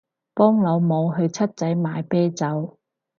幫老母去七仔買啤酒